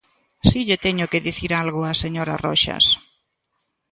Si lle teño que dicir algo á señora Roxas.